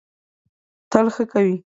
تل ښه کوی.